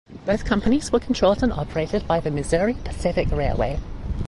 Both companies were controlled and operated by the Missouri Pacific Railway.